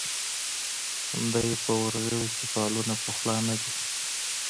تندیه په اورغوي کې فالونه پخلا نه دي.